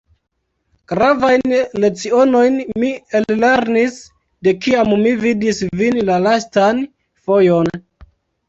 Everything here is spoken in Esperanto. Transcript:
Gravajn lecionojn mi ellernis, de kiam mi vidis vin la lastan fojon.